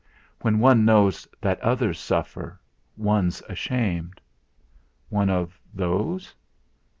When one knows that others suffer, one's ashamed." "One of those?"